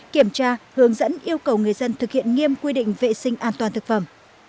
kiểm tra hướng dẫn yêu cầu người dân thực hiện nghiêm quy định vệ sinh an toàn thực phẩm